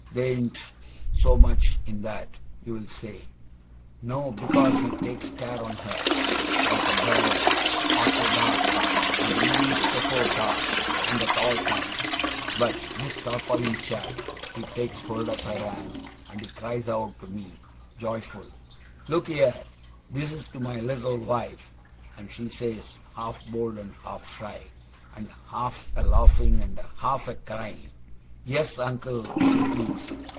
There ain't so much in that, you'll say. No, because he takes care on her, like a brother, arter dark, and indeed afore dark, and at all times. But this tarpaulin chap, he takes hold of her hand, and he cries out to me, joyful, "Look here! This is to be my little wife!" And she says, half bold and half shy, and half a laughing and half a crying, "Yes, Uncle! If you please."